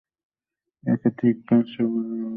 একে ঠিক সাজ বলব না, এ হচ্ছে ওর এক রকমের উচ্চ হাসি।